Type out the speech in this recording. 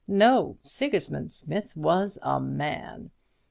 No; Sigismund Smith was a MAN.